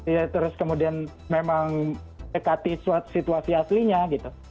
ya terus kemudian memang dekati situasi aslinya gitu